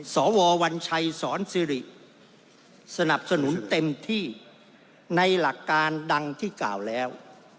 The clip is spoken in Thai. สววัญชัยสอนสิริสนับสนุนเต็มที่ในหลักการดังที่กล่าวแล้ว